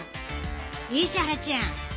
石原ちゃん！